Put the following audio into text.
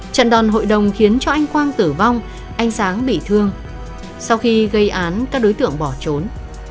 trận đòn hội đồng khiến cho anh quang tử vong anh sáng bị thương sau khi gây án các đối tượng bỏ trốn